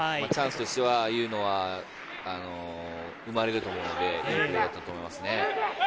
チャンスとしては、ああいうのが生まれると思うので、いいと思いますね。